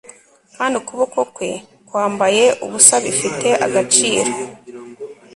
kandi ukuboko kwe kwambaye ubusa bifite agaciro